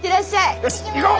よし行こう！